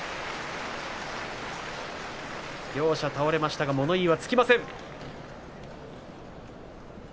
両者倒れましたが物言いはつきません。